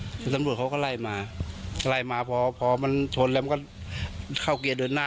คือตำรวจเขาก็ไล่มาไล่มาพอพอมันชนแล้วมันก็เข้าเกียร์เดินหน้า